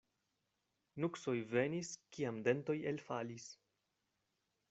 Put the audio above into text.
Nuksoj venis, kiam dentoj elfalis.